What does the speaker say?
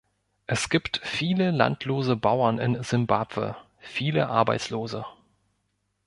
Es gibt viele landlose Bauern in Simbabwe, viele Arbeitslose.